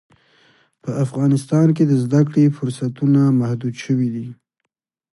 په افغانستان کې د زده کړې فرصتونه محدود شوي دي.